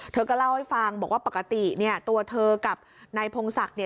เธอก็เล่าให้ฟังบอกว่าปกติตัวเธอกับนายพงศักดิ์